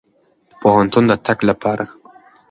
د پوهنتون د تګ لپاره.